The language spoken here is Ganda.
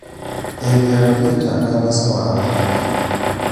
Ebyalo byetaaga abasawo abalala.